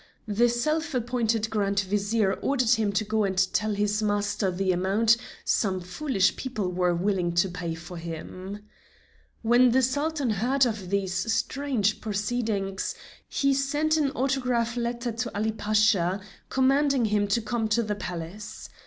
The self appointed Grand Vizier ordered him to go and tell his master the amount some foolish people were willing to pay for him. When the Sultan heard of these strange proceedings he sent an autograph letter to Ali Pasha, commanding him to come to the Palace.